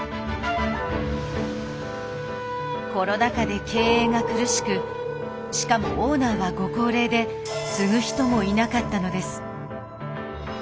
コロナ禍で経営が苦しくしかもオーナーはご高齢で継ぐ人もいなかったのです。